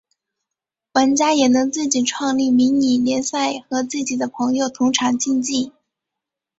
玩家也能自己创立迷你联赛和自己的朋友同场竞技。